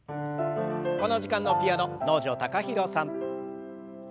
この時間のピアノ能條貴大さん。